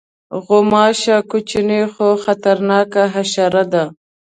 غوماشه کوچنۍ خو خطرناکه حشره ده.